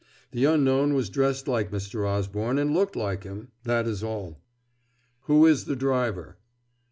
The unknown was dressed like Mr. Osborne, and looked like him that is all." "Who is the driver?"